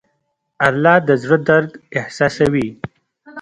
الله د زړه درد احساسوي.